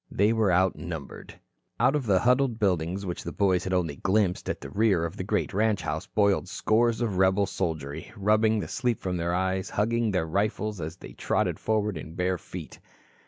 They were outnumbered. Out of the huddled buildings, which the boys had only glimpsed at the rear of the great ranch house boiled scores of rebel soldiery, rubbing the sleep from their eyes, hugging their rifles as they trotted forward in bare feet.